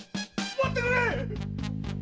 待ってくれ！